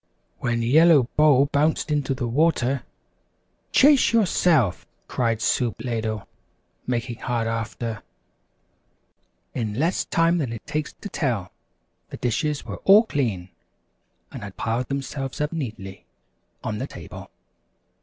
When Yellow Bowl bounced into the water, "Chase yourself!" cried Soup Ladle, making hard after. In less time than it takes to tell, the dishes were all clean, and had piled themselves up neatly on the table.